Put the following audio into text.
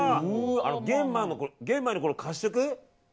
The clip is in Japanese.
玄米のこの、褐色？